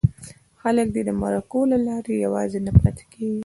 خلک دې د مرکو له لارې یوازې نه پاتې کېږي.